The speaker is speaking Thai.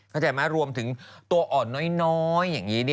เข้าใจไหมรวมถึงตัวอ่อนน้อยอย่างนี้